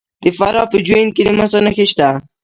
د فراه په جوین کې د مسو نښې شته.